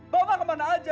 bapak kemana aja